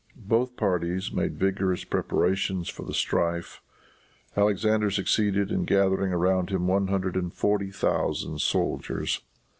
Both parties made vigorous preparations for the strife. Alexander succeeded in gathering around him one hundred and forty thousand soldiers.